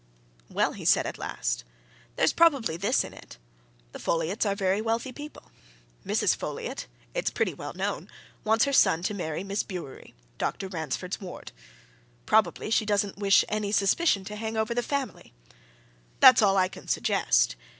"Well," he said at last, "there's probably this in it the Folliots are very wealthy people. Mrs. Folliot, it's pretty well known, wants her son to marry Miss Bewery Dr. Ransford's ward. Probably she doesn't wish any suspicion to hang over the family. That's all I can suggest.